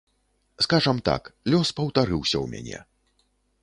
Скажам так, лёс паўтарыўся ў мяне.